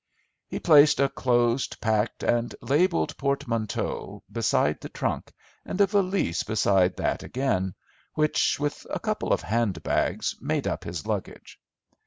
He placed a closed, packed and labelled portmanteau beside the trunk, and a valise beside that again, which, with a couple of handbags, made up his luggage.